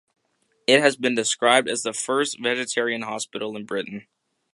It has been described as the first vegetarian hospital in Britain.